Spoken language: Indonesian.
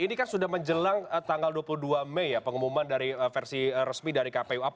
ini kan sudah menjelang tanggal dua puluh dua mei ya pengumuman dari versi resmi dari kpu